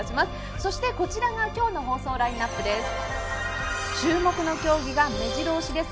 そして、こちらが今日の放送ラインアップです。